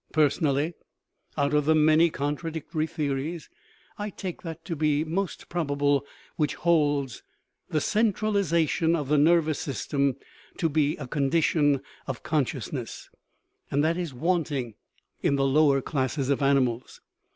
Personally, out of the many contradictory theories, I take that to be most probable which holds the centralization of the nervous system to be a condition of consciousness ; and that is wanting in the lower classes of animals.